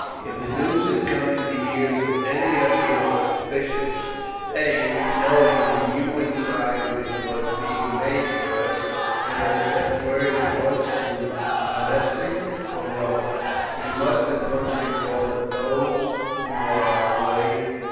If the news had come to the ears of any of the officials, they, knowing the hue and cry which was being made for us, would have sent word at once to Praeneste or Rome. We must at once recall those who are away.